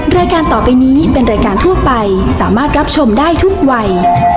รายการต่อไปนี้เป็นรายการทั่วไปสามารถรับชมได้ทุกวัย